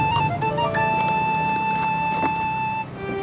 saya sudah berhenti